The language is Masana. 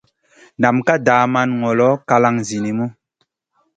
Nam ka daman ŋolo kalang zinimu.